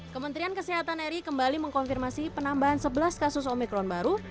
kementerian kesehatan ri kembali mengkonfirmasi penambahan sebelas kasus omikron baru